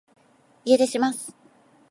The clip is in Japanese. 家出します